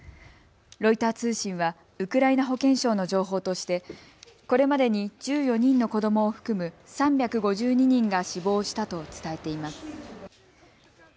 ロイター通信はウクライナ保健省の情報としてこれまでに１４人の子どもを含む３５２人が死亡したと伝えています。